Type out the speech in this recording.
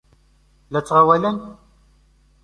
La ttɣawalen?